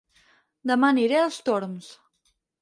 Dema aniré a Els Torms